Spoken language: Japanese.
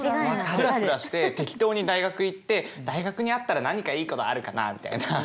フラフラして適当に大学に行って大学にあったら何かいいことあるかなみたいな。